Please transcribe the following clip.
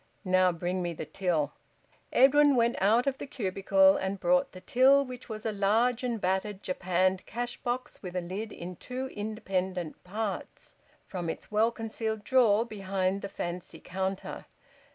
"Now bring me the till." Edwin went out of the cubicle and brought the till, which was a large and battered japanned cash box with a lid in two independent parts, from its well concealed drawer behind the fancy counter.